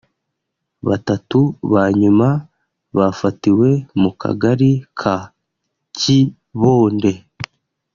Batatu ba nyuma bafatiwe mu Kagali ka Kibonde